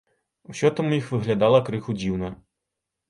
Усё там у іх выглядала крыху дзіўна.